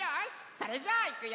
それじゃあいくよ！